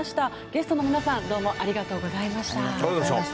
ゲストの皆さんどうもありがとうございました。